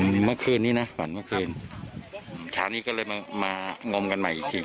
เมื่อคืนนี้นะฝันเมื่อคืนเช้านี้ก็เลยมามางมกันใหม่อีกที